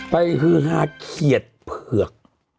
ไปคือห้าเขียดเผือก